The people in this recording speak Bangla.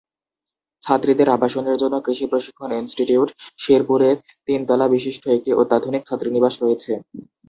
ছাত্রীদের আবাসনের জন্য কৃষি প্রশিক্ষণ ইনস্টিটিউট, শেরপুর এ তিন তলা বিশিষ্ট একটি অত্যাধুনিক ছাত্রীনিবাস রয়েছে।